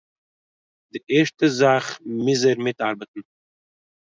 די ערשטע זאך מוז ער מיטארבעטן